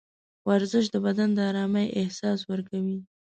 ورزش د بدن د ارامۍ احساس ورکوي.